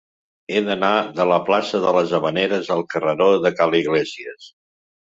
He d'anar de la plaça de les Havaneres al carreró de Ca l'Iglésies.